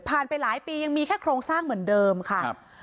ไปหลายปียังมีแค่โครงสร้างเหมือนเดิมค่ะ